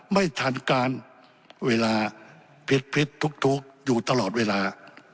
ไม่ทันการเวลาพิษทุกอยู่ตลอดเวลา